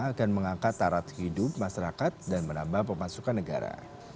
akan mengangkat tarat hidup masyarakat dan menambah pemasukan negara